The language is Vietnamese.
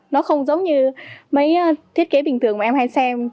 nó không giống như mấy thiết kế bình thường mà em hay xem